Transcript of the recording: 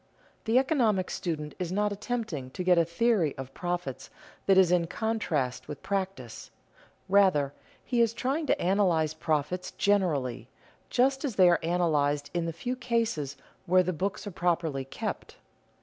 The economic student is not attempting to get a theory of profits that is in contrast with practice. Rather, he is trying to analyze profits generally, just as they are analyzed in the few cases where the books are properly kept.